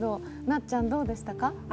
なっちゃん、どうでしたか？